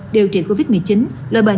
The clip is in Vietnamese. đều gửi đến bộ y tế